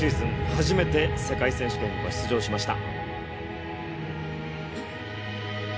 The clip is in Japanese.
初めて世界選手権にも出場しました。